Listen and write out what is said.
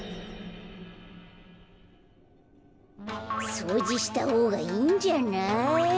そうじしたほうがいいんじゃない？